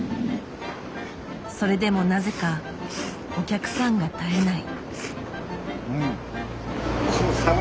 それでもなぜかお客さんが絶えない。